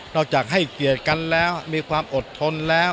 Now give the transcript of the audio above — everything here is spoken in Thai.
จากให้เกียรติกันแล้วมีความอดทนแล้ว